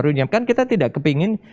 runyam kan kita tidak kepingin